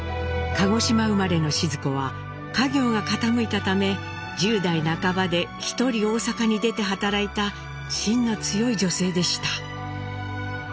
鹿児島生まれのシヅ子は家業が傾いたため１０代半ばで一人大阪に出て働いたしんの強い女性でした。